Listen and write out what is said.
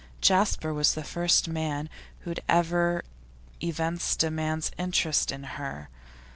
Jasper was the first man who had ever evinced a man's interest in her.